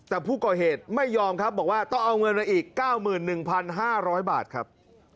แต่ผู้ก่อเหตุไม่ยอมครับบอกว่าต้องเอาเงินมาอีก๙๑๕๐๐บาทครับ